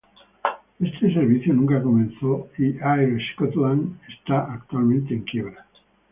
Este servicio nunca comenzó y Air Scotland está actualmente en quiebra.